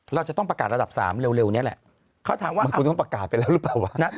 เราจะต้องประกาศระดับสามเร็วนี้แหละเขาถามว่าบางคนต้องประกาศไปแล้วหรือเปล่าวะ